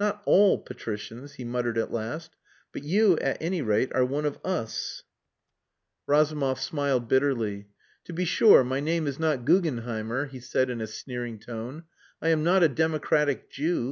"Not all patricians," he muttered at last. "But you, at any rate, are one of us." Razumov smiled bitterly. "To be sure my name is not Gugenheimer," he said in a sneering tone. "I am not a democratic Jew.